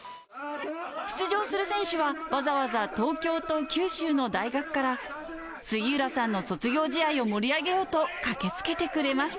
出場する選手は、わざわざ東京と九州の大学から、杉浦さんの卒業試合を盛り上げようと駆けつけてくれました。